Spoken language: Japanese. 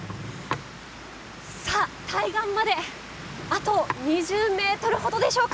さあ、対岸まであと２０メートルほどでしょうか。